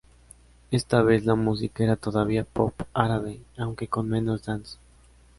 Esta vez la música era todavía pop árabe, aunque con menos "dance".